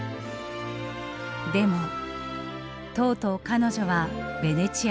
でもとうとう彼女はベネチアに来なかった。